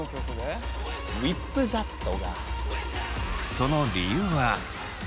その理由は。